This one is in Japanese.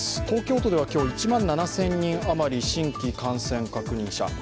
東京都では今日、１万７０００人余り、新規陽性感染者。